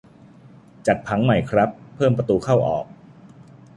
จัดผังใหม่ครับ เพิ่มประตูเข้าออก